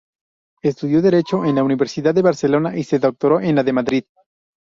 Estudió Derecho en la Universidad de Barcelona y se doctoró en la de Madrid.